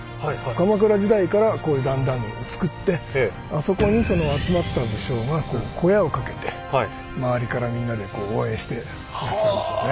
鎌倉時代からこういう段々をつくってあそこに集まった武将が小屋をかけて周りからみんなで応援してやってたんでしょうね。